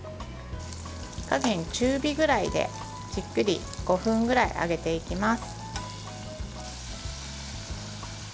火加減、中火くらいでじっくり５分くらい揚げていきます。